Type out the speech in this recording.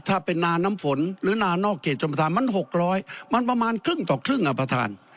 ถ้าเป็นนาน้ำฝนหรือนานอกเขตจมทานมัน๖๐๐มันประมาณครึ่งต่อครึ่งอ่ะประธาน